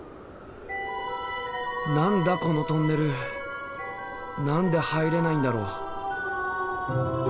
何だこのトンネル何で入れないんだろう。